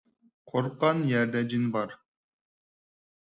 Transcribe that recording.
قورققان يەردە جىن بار.